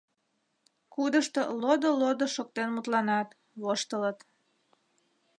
Кудышто лодо-лодо шоктен мутланат, воштылыт.